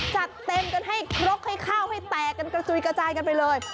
จัดเต็มกันให้ครกให้ข้าวให้แตกกันกระจุยกระจายกันไปเลย